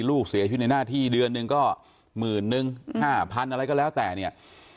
ลูกเสียชีวิตในหน้าที่เดือนหนึ่งก็หมื่นนึง๕๐๐๐อะไรก็แล้วแต่เนี่ย